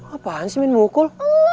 apaan sih min mukul